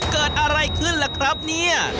เกิดอะไรขึ้นล่ะครับเนี่ย